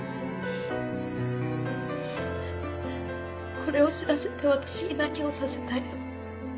これを知らせて私に何をさせたいの？